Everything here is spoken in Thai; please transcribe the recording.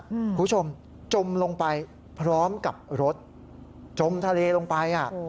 คุณผู้ชมจมลงไปพร้อมกับรถจมทะเลลงไปอ่ะ